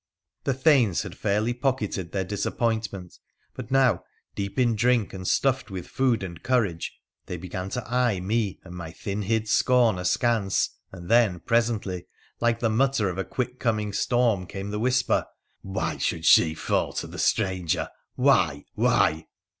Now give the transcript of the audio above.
The thanes had fairly pocketed their dk appointment, but now, deep in drink and stuffed with foo and courage, they began to eye me and my thin hid scor askance, and then presently, like the mutter of a quick con: ing storm, came the whisper, ' Why should she fall to th stranger ? Why ? Why